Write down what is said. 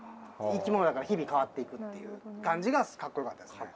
生き物だから日々変わっていくっていう感じがかっこよかったですね。